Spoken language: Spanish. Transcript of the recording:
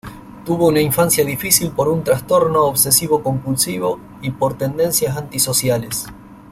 Tuvo una infancia difícil por un trastorno obsesivo-compulsivo y por tendencias antisociales.